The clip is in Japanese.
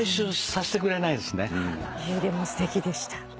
でもすてきでした。